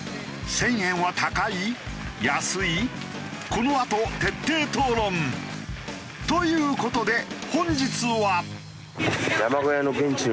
このあと徹底討論！という事で本日は。